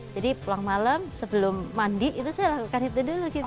jadi pulang malem sebelum mandi itu saya lakukan itu dulu gitu